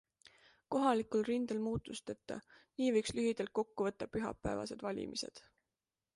Kohalikul rindel muutusteta - nii võiks lühidalt kokku võtta pühapäevased valimised.